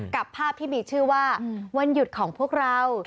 กับภาพที่มีชื่อว่าวันหยุดของพวกเรา